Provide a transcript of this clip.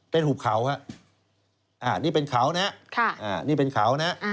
เป็นหุบเขาครับอ่านี่เป็นเขานะอ่านี่เป็นเขานะ